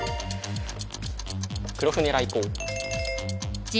黒船来航。